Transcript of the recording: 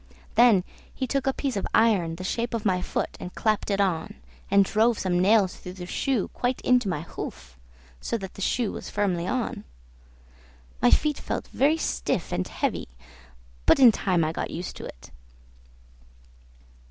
Then he took a piece of iron the shape of my foot, and clapped it on, and drove some nails through the shoe quite into my hoof, so that the shoe was firmly on. My feet felt very stiff and heavy, but in time I got used to it.